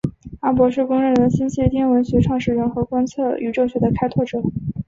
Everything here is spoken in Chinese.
哈勃是公认的星系天文学创始人和观测宇宙学的开拓者。